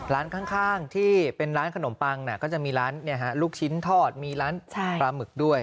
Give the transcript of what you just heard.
ร้านข้างที่เป็นร้านขนมปังก็จะมีร้านลูกชิ้นทอดมีร้านปลาหมึกด้วย